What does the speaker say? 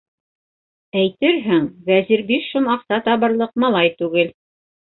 Әйтерһең, Вәзир биш һум аҡса табырлыҡ малай түгел.